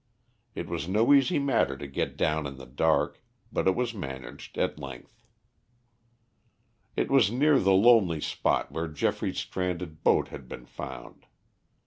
It was no easy matter to get down in the dark, but it was managed at length. It was near the lonely spot where Geoffrey's stranded boat had been found.